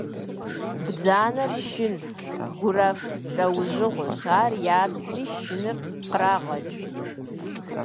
Бдзанэр шын, гуэрэф лӏэужьыгъуэщ, ар ябзри шыныр кърагъэкӏ.